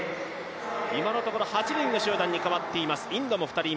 今のところ８人の集団に変わっています。